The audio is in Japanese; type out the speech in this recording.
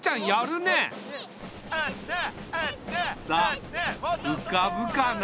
さあうかぶかな？